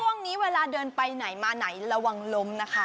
เวลาเดินไปไหนมาไหนระวังล้มนะคะ